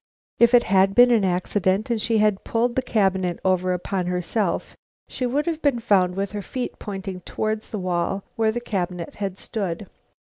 If it had been an accident and she had pulled the cabinet over upon herself, she would have been found with her feet pointing towards the wall where the cabinet had stood.